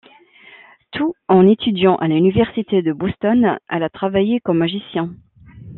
Tout en étudiant à l'Université de Boston, elle a travaillé comme magicien.